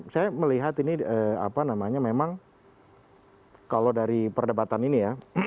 saya melihat ini apa namanya memang kalau dari perdebatan ini ya